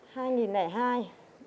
hai nghìn lẻ hai